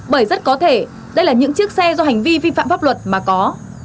bởi rất có thể đây là những chiếc xe do hành vi vi phạm pháp luật mà có